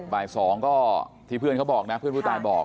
บ่าย๒ก็ที่เพื่อนเขาบอกนะเพื่อนผู้ตายบอก